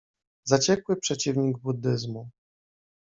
Zaciekły przeciwnik buddyzmu.